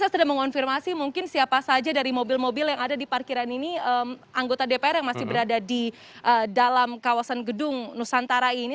saya sudah mengonfirmasi mungkin siapa saja dari mobil mobil yang ada di parkiran ini anggota dpr yang masih berada di dalam kawasan gedung nusantara ini